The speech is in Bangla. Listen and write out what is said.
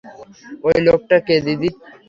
ওই লোকটা কে দিদি?